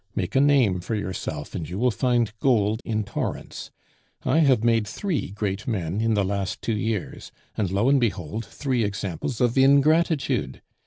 Make a name for yourself, and you will find gold in torrents. I have made three great men in the last two years; and lo and behold three examples of ingratitude!